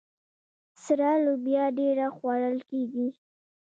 سره لوبیا ډیره خوړل کیږي.